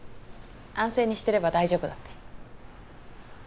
安静にしてれば大丈夫だって。